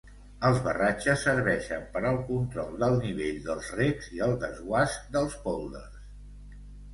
Els barratges serveixen per al control del nivell dels recs i el desguàs dels pòlders.